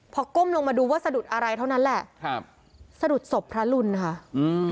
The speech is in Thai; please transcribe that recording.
พอก้มลงมาดูว่าสะดุดอะไรเท่านั้นแหละครับสะดุดศพพระลุนค่ะอืม